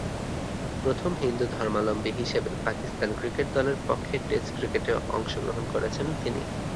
প্রথম হিন্দু ধর্মাবলম্বী হিসেবে পাকিস্তান ক্রিকেট দলের পক্ষে টেস্ট ক্রিকেটে অংশগ্রহণ করেছেন তিনি।